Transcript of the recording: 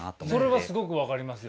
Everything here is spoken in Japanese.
それはすごく分かりますよ。